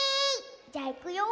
じゃあいくよ。